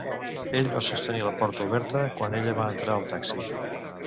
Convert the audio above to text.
Ell va sostenir la porta oberta quan ella va entrar al taxi.